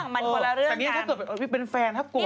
มันคนละเรื่องกันสักนี้ถ้าเติบพี่เป็นแฟนถ้าโกรธ